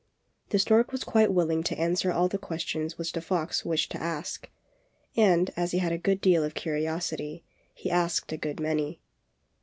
The stork was quite willing to answer all the questions which the fox wished to ask, and, as he had a good deal of curiosity, he asked a good many.